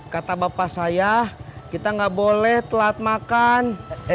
kata bapak saya kita nggak boleh telat makan